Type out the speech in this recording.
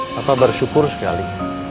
patah bersyukur sekali